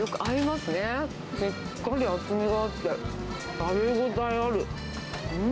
しっかり厚みがあって、食べ応えある。